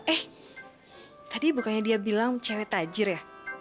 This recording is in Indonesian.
eh tadi bukannya dia bilang cewek tajir ya